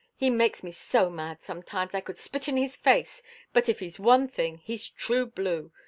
He makes me so mad sometimes I could spit in his face, but if he's one thing he's true blue.